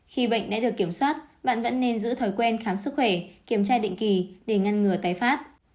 khi bệnh đã được kiểm soát bạn vẫn nên giữ thói quen khám sức khỏe kiểm tra định kỳ để ngăn ngừa tái phát